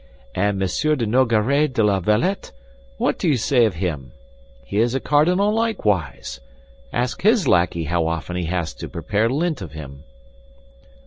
And Monsieur de Nogaret de la Valette, what do you say of him? He is a cardinal likewise. Ask his lackey how often he has had to prepare lint of him."